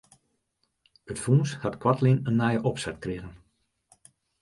It fûns hat koartlyn in nije opset krigen.